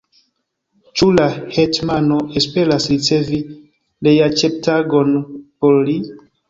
Ĉu la hetmano esperas ricevi reaĉetpagon por li?